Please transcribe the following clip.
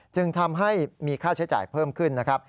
จึงทำให้มีค่าใช้จ่ายเพิ่มขึ้นนะครับ